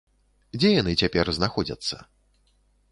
Дзе яны цяпер знаходзяцца?